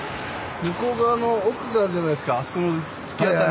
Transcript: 向こう側の奥があるじゃないですかあそこの突き当たり。